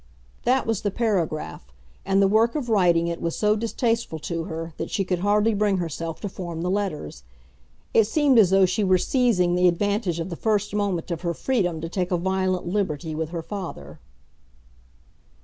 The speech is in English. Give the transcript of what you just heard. That was the paragraph, and the work of writing it was so distasteful to her that she could hardly bring herself to form the letters. It seemed as though she were seizing the advantage of the first moment of her freedom to take a violent liberty with her father.